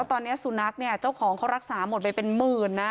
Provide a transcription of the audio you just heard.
ตอนนี้สุนัขเนี่ยเจ้าของเขารักษาหมดไปเป็นหมื่นนะ